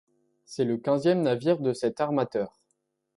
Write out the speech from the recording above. C'est le quinzième navire de cet armateur.